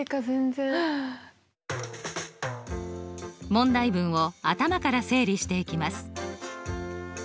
問題文を頭から整理していきます。